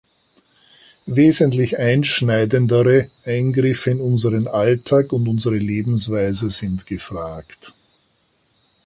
Wesentlich einschneidendere Eingriffe in unseren Alltag und unsere Lebensweise sind gefragt.